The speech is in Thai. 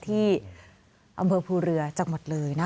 ที่อำเภอภูเรือจังหวัดเลยนะ